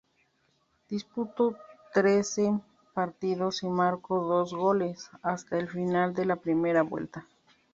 Disputó trece partidos y marcó dos goles, hasta el final de la primera vuelta.